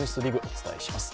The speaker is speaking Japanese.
お伝えします。